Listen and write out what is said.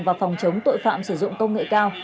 và phòng chống tội phạm sử dụng công nghệ cao